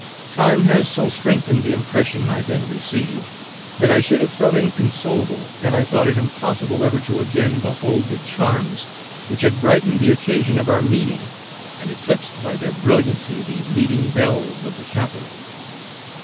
Time has so strengthened the impression I then received, that I should have felt inconsolable Page 105 had I thought it impossible ever to again behold the charms which had brightened the occasion of our meeting and eclipsed by their brilliancy the leading belles of the capital.